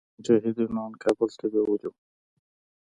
مجاهدينو ان کابل ته بيولي وو.